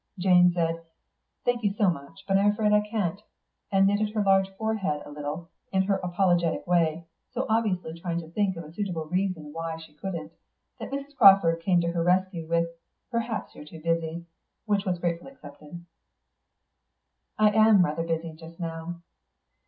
Jane said, "Thank you so much, but I'm afraid I can't," and knitted her large forehead a little, in her apologetic way, so obviously trying to think of a suitable reason why she couldn't, that Mrs. Crawford came to her rescue with "Perhaps you're too busy," which was gratefully accepted. "I am rather busy just now."